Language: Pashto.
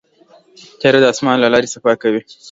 طیاره د اسمان له لارې سفر کوي.